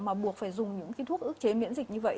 mà buộc phải dùng những cái thuốc ước chế miễn dịch như vậy